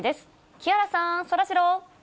木原さん、そらジロー。